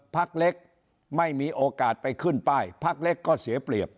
พักเล็กไม่มีโอกาสไปขึ้นป้ายพักเล็กก็เสียเปรียบ